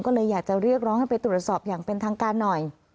ก็เลยอยากจะเรียกร้องให้ไปตรวจสอบอย่างเป็นทางการหน่อย